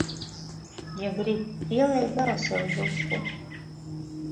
Ja grib ielej vēl sev zupu!